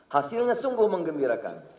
hasilnya sungguh mengembirakan